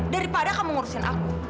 daripada kamu ngurusin aku